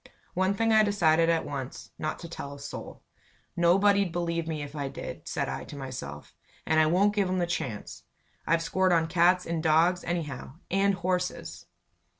One thing I decided at once not to tell a soul. "Nobody'd believe me if I did," said I to myself. "And I won't give 'em the chance. I've scored on cats and dogs, anyhow and horses."